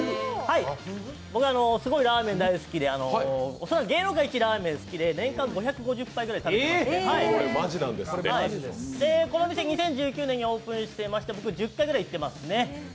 僕、すごいラーメン大好きで恐らく芸能界一ラーメンが好きで年間５５０杯くらい食べてましてこの店２０１９年にオープンしてまして僕１０回ぐらい行ってますね。